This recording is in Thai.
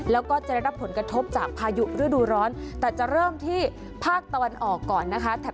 แล้วก็จะได้รับผลกระทบจากพายุฤดูร้อนแต่จะเริ่มที่ภาคตะวันออกก่อนนะคะ